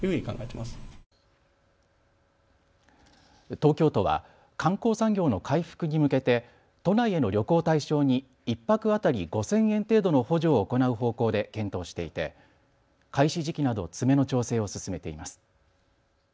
東京都は観光産業の回復に向けて都内への旅行を対象に１泊当たり５０００円程度の補助を行う方向で検討していて開始時期など詰めの調整を進めています。